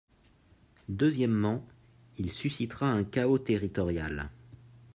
Deuxièmement, il suscitera un chaos territorial.